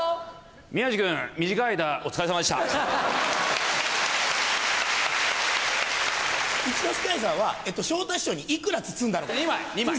宮治君、短い間、お疲れさま一之輔兄さんは昇太師匠にいくら包んだのか。